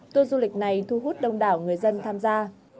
tour du lịch này thu hút đông đảo người dân tham gia